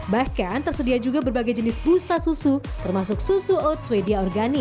bahkan tersedia juga berbagai jenis busa susu termasuk susu oatswedia organik